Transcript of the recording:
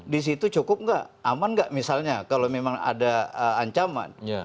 di situ cukup nggak aman nggak misalnya kalau memang ada ancaman